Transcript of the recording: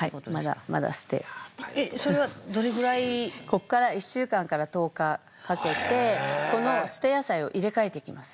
ここから１週間から１０日かけてこの捨て野菜を入れ替えていきます。